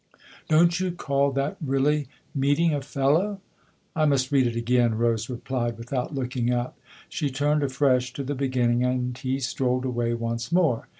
" Don't you call that really meeting a fellow ?"" I must read it again," Rose replied without looking up. She turned afresh to the beginning, and he strolled away once more.